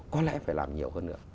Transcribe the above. có lẽ phải làm nhiều hơn nữa